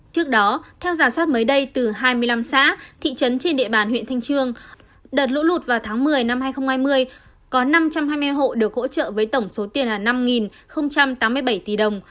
trước đó theo giả soát mới đây từ hai mươi năm xã thị trấn trên địa bàn huyện thanh trương đợt lũ lụt vào tháng một mươi năm hai nghìn hai mươi có năm trăm hai mươi hộ được hỗ trợ với tổng số tiền là năm tám mươi bảy tỷ đồng